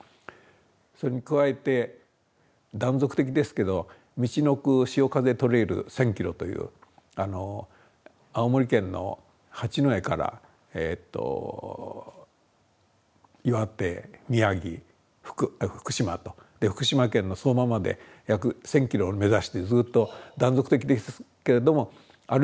それに加えて断続的ですけど「みちのく潮風トレイル」１，０００キロという青森県の八戸から岩手宮城福島と福島県の相馬まで約１，０００キロを目指してずっと断続的ですけれども歩いて下りてきました。